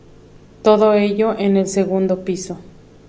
Todo ello en el segundo piso.